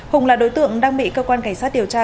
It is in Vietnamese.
hùng là đối tượng đang bị cơ quan cảnh sát điều tra